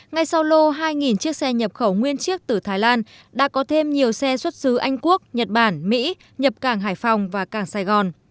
ngay sau lô hai chiếc xe nhập khẩu nguyên chiếc từ thái lan đã có thêm nhiều xe xuất xứ anh quốc nhật bản mỹ nhập cảng hải phòng và cảng sài gòn